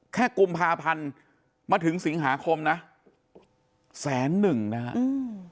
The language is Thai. กุมภาพันธ์มาถึงสิงหาคมนะแสนหนึ่งนะฮะอืม